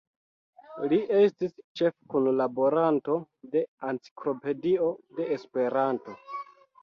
Li estis ĉefkunlaboranto de "Enciklopedio de Esperanto".